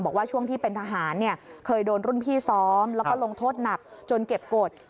บอกว่าช่วงที่เป็นทหารเนี่ยเคยโดนรุ่นพี่ซ้อมแล้วก็ลงโทษหนักจนเก็บกฎ